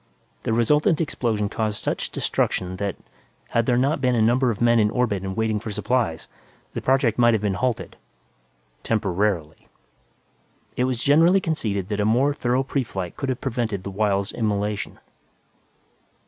The resultant explosion caused such destruction that, had there not been a number of men in orbit and waiting for supplies, the project might have been halted, "temporarily." It was generally conceded that a more thorough preflight could have prevented the Wyld's immolation.